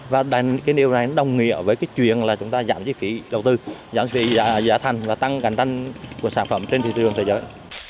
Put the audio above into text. và điều này đồng nghĩa với chuyện là chúng ta giảm giá thành và tăng cạnh tranh của sản phẩm trên thị trường thế giới